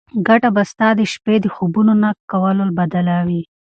ګټه به ستا د شپې د خوبونو د نه کولو بدله وي.